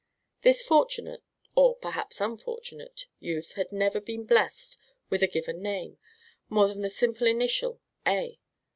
This fortunate or perhaps unfortunate youth had never been blessed with a given name, more than the simple initial "A."